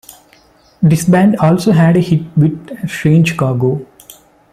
This band also had a hit with Strange Cargo.